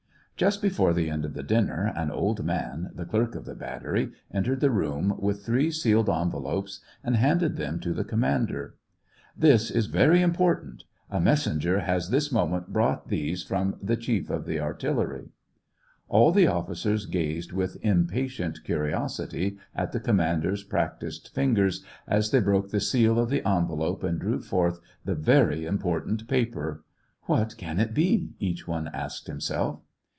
Just before the end of the dinner, an old man, the clerk of the battery, entered the room, with three sealed envelopes, and handed them to the commander. This is very important ; a messenger has this moment brought these from the chief of the artillery." SEVASTOPOL IN AUGUST. 219 All the officers gazed, with impatient curiosity, at the commander's practised fingers as they broke the seal of the envelope and drew forth the very important paper. What can it be ?" each one asked himself.